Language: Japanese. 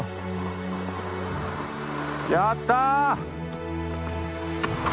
やった！